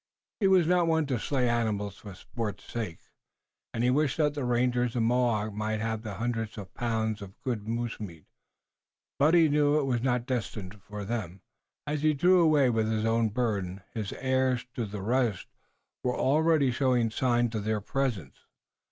He was not one to slay animals for sport's sake, and he wished that the rangers and Mohawks might have the hundreds of pounds of good moose meat, but he knew it was not destined for them. As he drew away with his own burden his heirs to the rest were already showing signs of their presence.